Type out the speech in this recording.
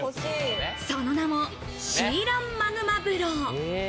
その名も、シーランマグマ風呂。